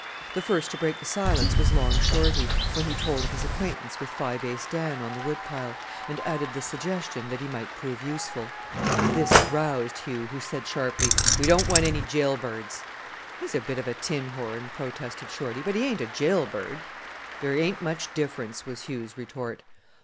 The first to break the silence was Long Shorty, when he told of his acquaintanceship with Five Ace Dan on the Wood pile, and added the suggestion that he might prove useful. This roused Hugh, who said sharply, "We don't want any jail birds!" "He's a bit of a tin horn," protested Shorty, "but he ain't a jail bird." "There ain't much difference," was Hugh's retort.